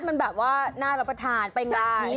มันแบบว่าน่ารับประทานไปงานนี้